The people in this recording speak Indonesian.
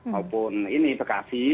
maupun ini bekasi